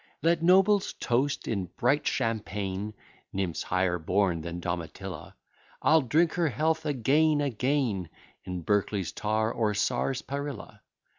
Let nobles toast, in bright champaign, Nymphs higher born than Domitilla; I'll drink her health, again, again, In Berkeley's tar, or sars'parilla.